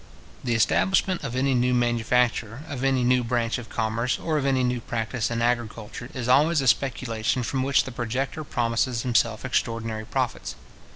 The establishment of any new manufacture, of any new branch of commerce, or of any new practice in agriculture, is always a speculation from which the projector promises himself extraordinary profits.